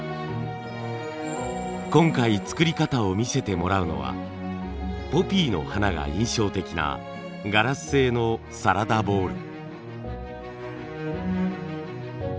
今回作り方を見せてもらうのはポピーの花が印象的なガラス製のサラダボウル。